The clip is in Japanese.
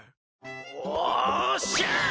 おっしゃ！